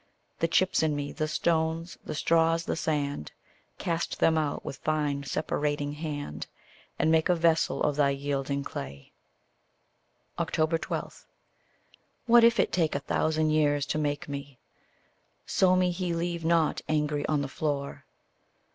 The chips in me, the stones, the straws, the sand, Cast them out with fine separating hand, And make a vessel of thy yielding clay. 12. What if it take a thousand years to make me, So me he leave not, angry, on the floor!